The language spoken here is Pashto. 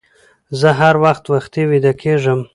زه هر وخت وختي ويده کيږم